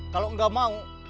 kalau gak mau